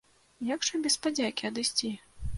Як жа без падзякі адысці?